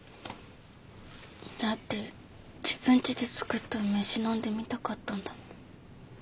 だって自分ちで作った梅酒飲んでみたかったんだもん。